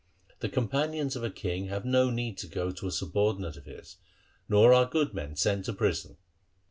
The companions of a king have no need to go to a subordinate of his, nor are good men sent to prison.